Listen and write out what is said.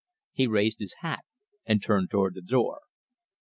He raised his hat and turned to the door.